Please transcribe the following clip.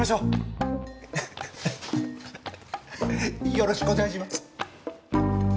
よろしくお願いします。